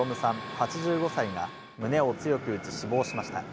８５歳が胸を強く打ち、死亡しました。